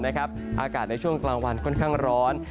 อากาศในช่วงกลางวันค่อนข้างร้อน